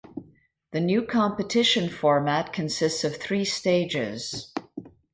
The new competition format consists of three stages.